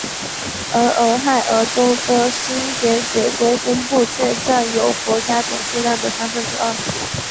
而俄亥俄州的星点水龟分布却占有国家总数量的三分之二。